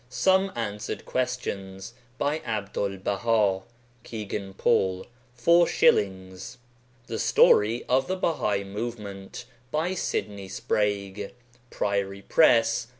Some Answered Questions by Abdul Baha. kegan PAUL. 4s. The Story of the Bahai Movement by Sydney Sprague. priory press.